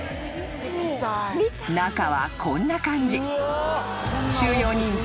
［中はこんな感じ］